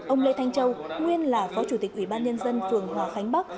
ông lê thanh châu nguyên là phó chủ tịch ủy ban nhân dân phường hòa khánh bắc